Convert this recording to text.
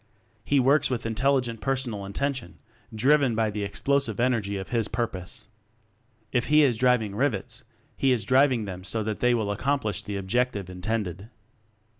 He works with intelligent personal intention driven by the explosive energy of his pur pose. If he is driving rivets, he is driving them so that they will accomplish the object intended.